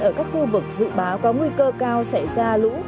ở các khu vực dự báo có nguy cơ cao xảy ra lũ